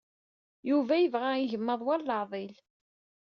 Yuba yebɣa igmaḍ war leɛḍil.